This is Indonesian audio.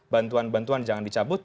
bantuan bantuan jangan dicabut